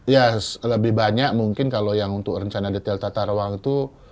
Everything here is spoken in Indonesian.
ya lebih banyak mungkin kalau yang untuk rencana detail tata ruang itu